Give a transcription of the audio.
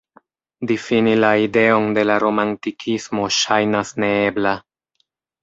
Difini la ideon de la romantikismo ŝajnas neebla.